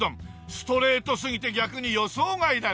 ストレートすぎて逆に予想外だね！